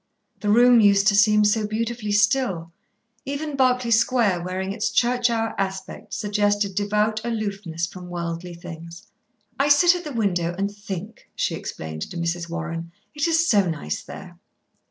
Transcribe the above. The room used to seem so beautifully still, even Berkeley Square wearing its church hour aspect suggested devout aloofness from worldly things. "I sit at the window and think," she explained to Mrs. Warren. "It is so nice there."